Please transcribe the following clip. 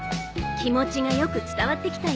気持ちがよく伝わってきたよ。